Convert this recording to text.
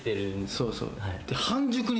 そうそう。